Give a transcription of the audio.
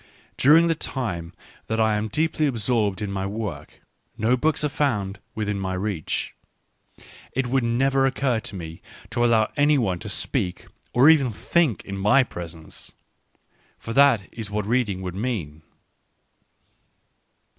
During the time that I am deeply absorbed in my work, no books are found within my reach ; it would never occur to me to allow any one to speak or even to think in my presence. For that is what reading would mean.